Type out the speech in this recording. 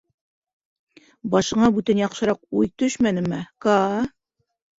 Башыңа бүтән яҡшыраҡ уй төшмәнеме, Каа?